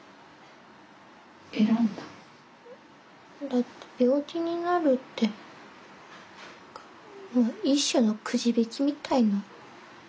選んだ？だって病気になるって一種のくじびきみたいな。